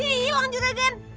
sihirnya ilang juga gen